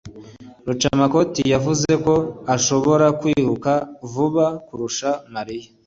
Rucamakoti yavuze ko ashobora kwiruka vuba kurusha Mariya.